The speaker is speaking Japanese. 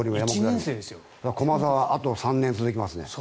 駒澤、あと３年続きますね